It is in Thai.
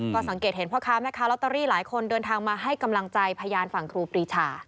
ก็สังเกตเห็นพ่อค้าแม่ค้าลอตเตอรี่หลายคนเดินทางมาให้กำลังใจพยานฝั่งครูปรีชา